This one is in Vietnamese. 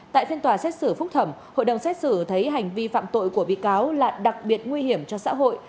tại phiên tòa xét xử phúc thẩm hội đồng xét xử thấy hành vi phạm tội của bị cáo là đặc biệt nguy hiểm cho xã hội